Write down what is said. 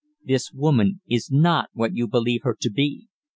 This woman is not what you believe her to be.